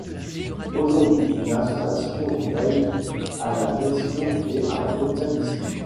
Aujourd'hui, une association veille à la gestion et à l'entretien du site.